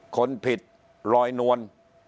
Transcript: คนผิดลอยนวล